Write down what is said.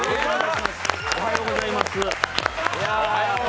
おはようございます。